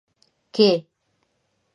کې